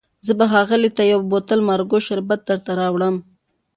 زه به ښاغلي ته یو بوتل مارګو شربت درته راوړم.